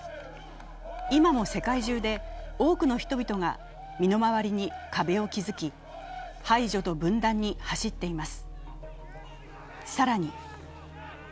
今も世界中で多くの人々が身の回りに壁を築き、排除と分断に走っています。